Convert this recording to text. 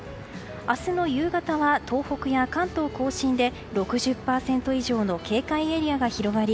明日の夕方は東北や関東・甲信で６０％以上の警戒エリアが広がり